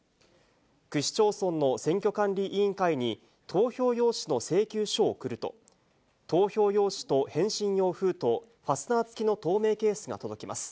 区市町村の選挙管理委員会に、投票用紙の請求書を送ると、投票用紙と返信用封筒、ファスナー付きの透明ケースが届きます。